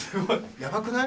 やばくない？